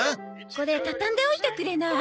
これ畳んでおいてくれない？